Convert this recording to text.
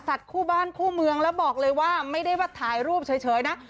คู่บ้านคู่เมืองแล้วบอกเลยว่าไม่ได้ว่าถ่ายรูปเฉยนะ